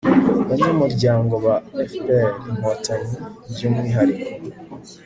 banyamuryango ba fpr-inkotanyi by'umwihariko